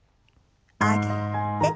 上げて。